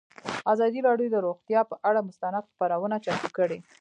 ازادي راډیو د روغتیا پر اړه مستند خپرونه چمتو کړې.